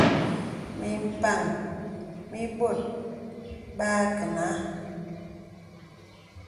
Mì mpàŋ mì bɔ̀t bə akənâ.